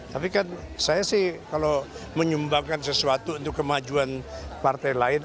tapi kan saya sih kalau menyumbangkan sesuatu untuk kemajuan partai lain